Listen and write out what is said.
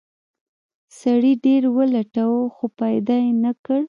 سړي ډیر ولټاوه خو پیدا یې نه کړ.